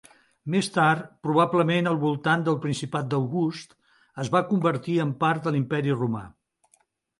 Més tard, probablement al voltant del principat d'August, es va convertir en part de l'Imperi Romà.